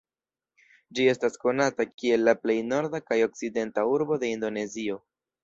Ĝi estas konata kiel la plej norda kaj okcidenta urbo de Indonezio.